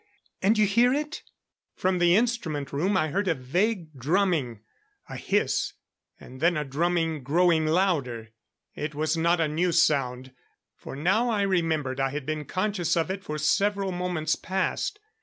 And you hear it?" From the instrument room I heard a vague drumming. A hiss, and then a drumming growing louder. It was not a new sound, for now I remembered I had been conscious of it for several moments past.